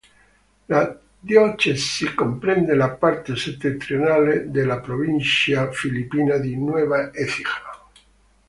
La diocesi comprende la parte settentrionale della provincia filippina di Nueva Ecija.